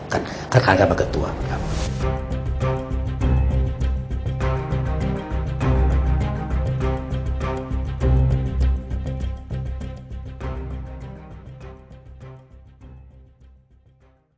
คัดค้างการประเกิดตัวครับ